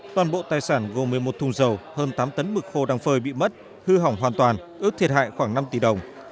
toàn bộ tài sản gồm một mươi một thùng dầu hơn tám tấn mực khô đang phơi bị mất hư hỏng hoàn toàn ước thiệt hại khoảng năm tỷ đồng